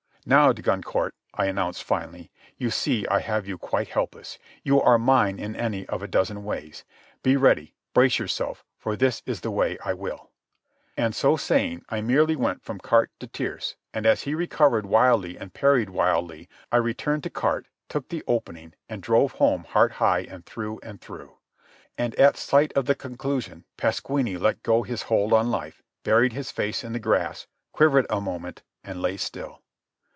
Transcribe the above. "Now, de Goncourt," I announced finally. "You see I have you quite helpless. You are mine in any of a dozen ways. Be ready, brace yourself, for this is the way I will." And, so saying, I merely went from carte to tierce, and as he recovered wildly and parried widely I returned to carte, took the opening, and drove home heart high and through and through. And at sight of the conclusion Pasquini let go his hold on life, buried his face in the grass, quivered a moment, and lay still.